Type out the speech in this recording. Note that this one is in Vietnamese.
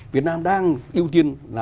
việt nam đang ưu tiên